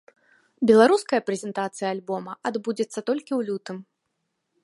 Беларуская прэзентацыя альбома адбудзецца толькі ў лютым.